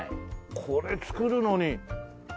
これ作るのに。